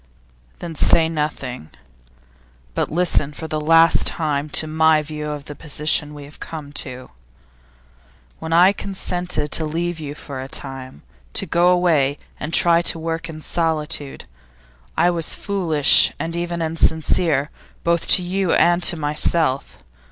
'Then say nothing, but listen for the last time to my view of the position we have come to. When I consented to leave you for a time, to go away and try to work in solitude, I was foolish and even insincere, both to you and to myself.